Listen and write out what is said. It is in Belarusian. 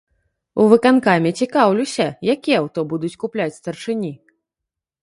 У выканкаме цікаўлюся, які аўто будуць купляць старшыні.